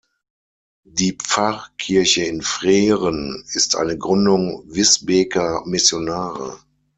Die Pfarrkirche in Freren ist eine Gründung Visbeker Missionare.